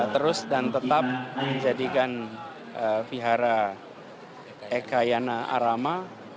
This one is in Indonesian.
terus dan tetap menjadikan vihara ekayana arama